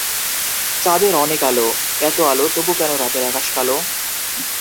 চাঁদের অনেক আলো এত আলো তবু কেন রাতের আকাশ কালো?